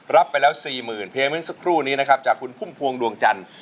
รับไปแล้ว๔๐๐๐๐เพลงนี้จะความพุ่มโพรงดวงจันทร์